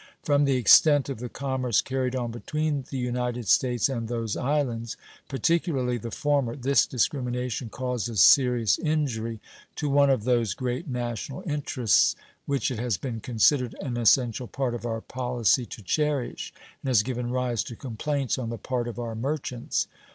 From the extent of the commerce carried on between the United States and those islands, particularly the former, this discrimination causes serious injury to one of those great national interests which it has been considered an essential part of our policy to cherish, and has given rise to complaints on the part of our merchants.